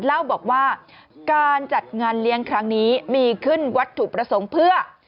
เล่าบอกว่าการจัดงานเลี้ยงครั้งนี้มีขึ้นวัตถุประสงค์เพื่อ